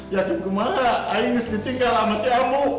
yakin ku mah ayah harus ditinggal sama si amu